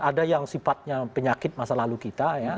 ada yang sifatnya penyakit masa lalu kita ya